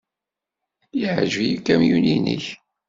Yeɛjeb-iyi ukamyun-nnek.